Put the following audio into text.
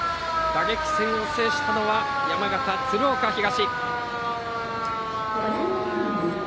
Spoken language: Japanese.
打撃戦を制したのは山形・鶴岡東。